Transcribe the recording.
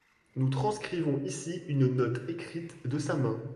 Nous transcrivons ici une note écrite de sa main.